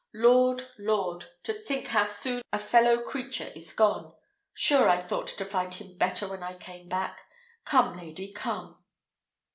Lord, Lord! to think how soon a fellow creature is gone! Sure I thought to find him better when I came back. Come, lady, come!"